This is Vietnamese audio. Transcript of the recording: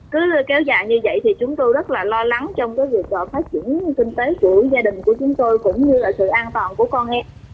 cứ kéo dài như vậy thì chúng tôi rất là lo lắng trong cái việc phát triển kinh tế của gia đình của chúng tôi cũng như là sự an toàn của con em